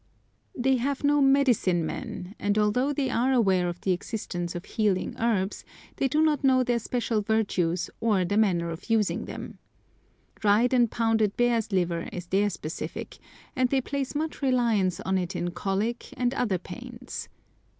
They have no "medicine men," and, though they are aware of the existence of healing herbs, they do not know their special virtues or the manner of using them. Dried and pounded bear's liver is their specific, and they place much reliance on it in colic and other pains.